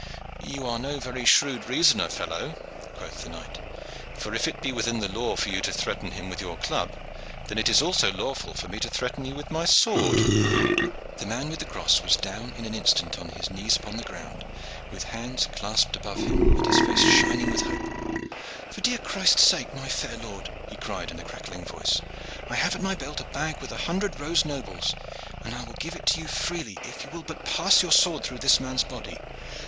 "You are no very shrewd reasoner, fellow," quoth the knight; "for if it be within the law for you to threaten him with your club, then it is also lawful for me to threaten you with my sword." The man with the cross was down in an instant on his knees upon the ground, with hands clasped above him and his face shining with hope. "For dear Christ's sake, my fair lord," he cried in a crackling voice, "I have at my belt a bag with a hundred rose nobles, and I will give it to you freely if you will but pass your sword through this man's body."